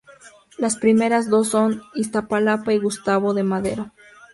Las primeras dos son Iztapalapa y Gustavo A. Madero.